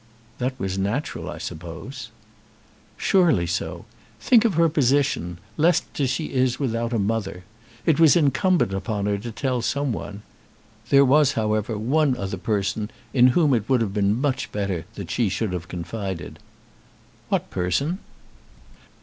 "That was natural, I suppose." "Surely so. Think of her position, left as she is without a mother! It was incumbent on her to tell someone. There was, however, one other person in whom it would have been much better that she should have confided." "What person?"